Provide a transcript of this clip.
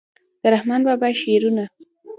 د رحمان بابا شعرونه